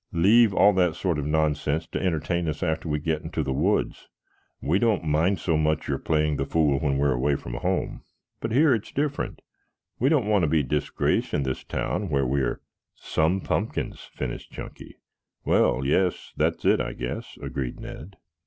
"Leave all that sort of nonsense to entertain us after we get into the woods. We don't mind so much your playing the fool when we are away from home, but here it is different. We don't want to be disgraced in this town where we are " "Some pumpkins," finished Chunky. "Well, yes; that's it, I guess," agreed Ned.